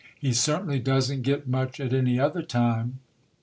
He certainly doesn't get much at any other time".